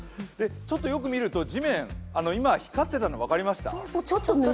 ちょっとよく見ると地面、今、光ってたの分かりました？